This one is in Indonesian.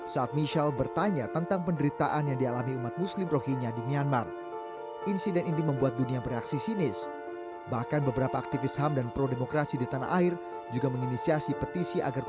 kami merasa bahwa ada pejuang tapi ada pejuang sekaliber